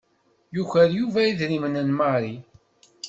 Yuker Yuba idrimen n Mary.